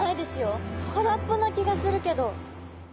空っぽな気がするけど。